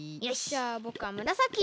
じゃあぼくはむらさき！